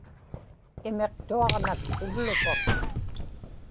imiqtuaġnak uvlupak